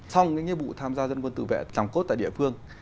xong nhiệm vụ tham gia dân quân tự vệ nòng cốt tại địa phương